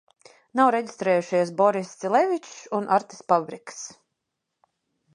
Nav reģistrējušies Boriss Cilevičs un Artis Pabriks.